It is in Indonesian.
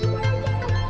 gak usah bawa yang besar